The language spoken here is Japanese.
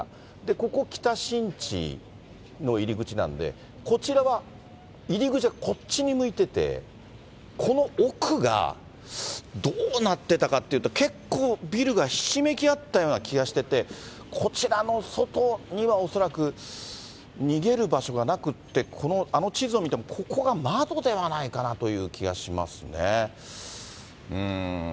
ここ、北新地の入り口なんで、こちらは入り口はこっちに向いてて、この奥がどうなってたかっていうと、結構、ビルがひしめき合ったような気がしてて、こちらの外には恐らく逃げる場所がなくって、あの地図を見ても、ここが窓ではないかなという気がしますね。